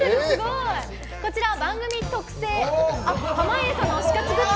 こちら番組特製濱家さんの推し活グッズ